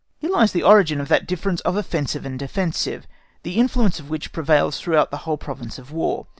Here lies the origin of that difference of Offensive and Defensive, the influence of which prevails throughout the whole province of War.